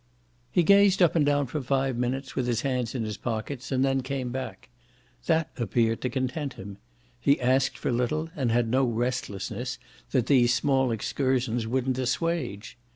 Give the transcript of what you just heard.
He gazed up and down for five minutes with his hands in his pockets, and then came back; that appeared to content him; he asked for little and had no restlessness that these small excursions wouldn't assuage.